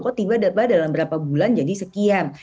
kok tiba tiba dalam berapa bulan jadi sekian